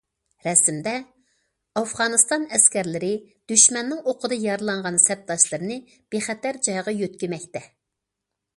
رەسىمدە ئافغانىستان ئەسكەرلىرى دۈشمەننىڭ ئوقىدا يارىلانغان سەپداشلىرىنى بىخەتەر جايغا يۆتكىمەكتە.